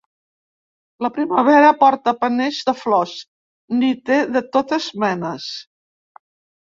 La primavera, porta paners de flors; n'hi té de totes menes